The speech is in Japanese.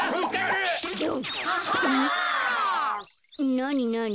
なになに？